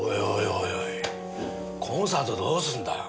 おいおいコンサートどうすんだよ？